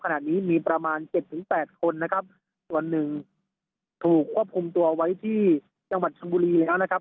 ขณะนี้มีประมาณเจ็ดถึงแปดคนนะครับส่วนหนึ่งถูกควบคุมตัวไว้ที่จังหวัดชนบุรีแล้วนะครับ